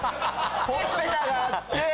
ほっぺたがあって。